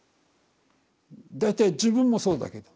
大体自分もそうだけど。